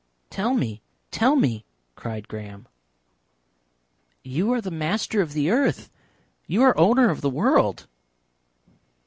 "Tell me, tell me!" cried Graham. "You are the Master of the Earth. You are owner of the world."